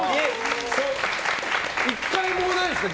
１回もないんですか？